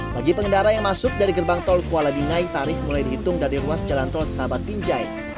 bagi pengendara yang masuk dari gerbang tol kuala binai tarif mulai dihitung dari ruas jalan tol setabat binjai